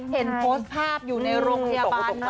เห็นโพสต์ภาพอยู่ในโรงพยาบาลมาก